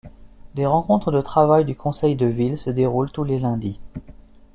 Des rencontres de travail du Conseil de ville se déroulent tous les lundis.